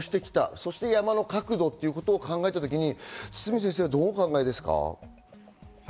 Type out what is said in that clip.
そして山の角度ってこと考えたときにどうお考えですか？